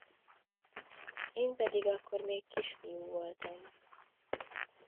Én pedig akkor még kisfiú voltam.